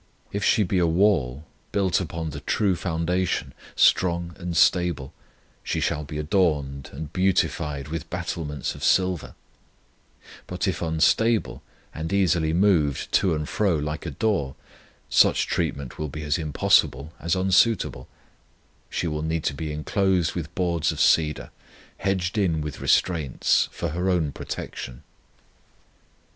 If she be a wall, built upon the true foundation, strong and stable, she shall be adorned and beautified with battlements of silver; but if unstable and easily moved to and fro like a door, such treatment will be as impossible as unsuitable; she will need to be inclosed with boards of cedar, hedged in with restraints, for her own protection.